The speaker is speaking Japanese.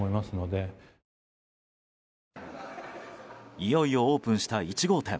いよいよオープンした１号店。